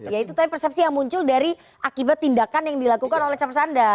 ya itu kan persepsi yang muncul dari akibat tindakan yang dilakukan oleh camsanda